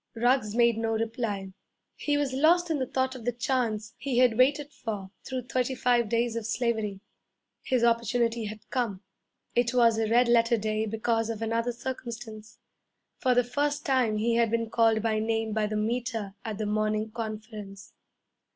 Ruggs made no reply. He was lost in the thought of the chance he had waited for through thirty five days of slavery. His opportunity had come. It was a red letter day because of another circumstance. For the first time he had been called by name by the Meter at the morning conference.